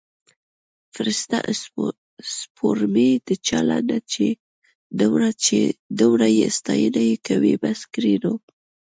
فرسته سپوړمۍ د چا لنډه چې دمره یې ستاینه یې کوي بس کړﺉ نو